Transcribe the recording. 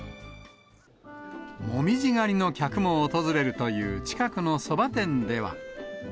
紅葉狩りの客も訪れるという近くのそば店では。